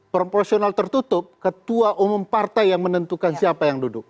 proporsional tertutup ketua umum partai yang menentukan siapa yang duduk